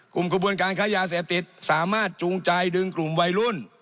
กลุ่มกระบวนการค้ายาเสพติดสามารถจูงใจดึงกลุ่มวัยรุ่น